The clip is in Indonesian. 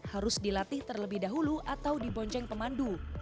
harus dilatih terlebih dahulu atau dibonceng pemandu